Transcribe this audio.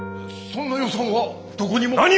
そんな予算はどこにも。